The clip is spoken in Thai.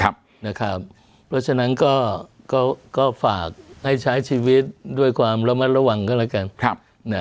เพราะฉะนั้นก็ฝากให้ใช้ชีวิตด้วยความระมัดระวังก็แล้วกัน